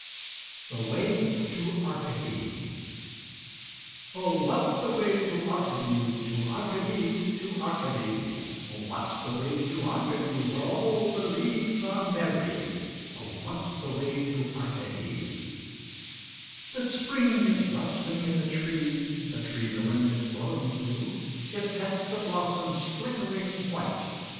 THE WAY TO ARCADY Oh, what's the way to Arcady, To Arcady, to Arcady; Oh, what's the way to Arcady, Where all the leaves are merry? Oh, what's the way to Arcady? The spring is rustling in the tree The tree the wind is blowing through It sets the blossoms flickering white.